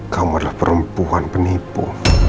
kamu adalah perempuan penipu